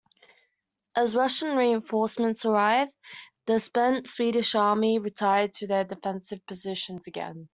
As Russian reinforcements arrived, the spent Swedish army retired to their defensive positions again.